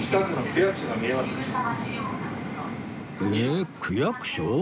えっ区役所？